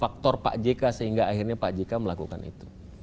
faktor pak jk sehingga akhirnya pak jk melakukan itu